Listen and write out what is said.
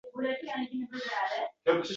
Ana, televizorda koʻrsatilayotgan kelinlarni koʻr